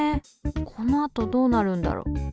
このあとどうなるんだろう？